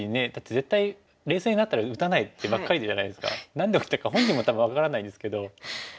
何で打ったか本人も多分分からないんですけど。